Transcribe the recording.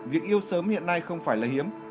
việc yêu sớm hiện nay không phải là hiếm